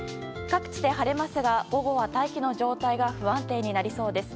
各地で晴れますが午後は大気の状態が不安定になりそうです。